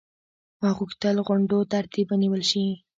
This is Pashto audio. ما غوښتل غونډو ترتیب ونیول شي.